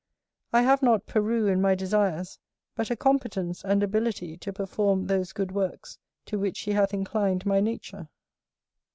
I have not Peru in my desires, but a competence and ability to perform those good works to which he hath inclined my nature.